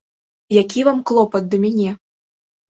Які вам клопат да мяне!